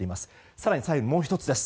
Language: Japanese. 更に、最後もう１つです。